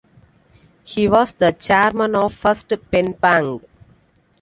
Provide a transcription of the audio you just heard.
He was the Chairman of First Penn Bank.